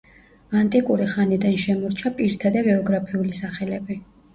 ანტიკური ხანიდან შემორჩა პირთა და გეოგრაფიული სახელები.